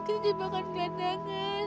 kita jadi bahkan gandangan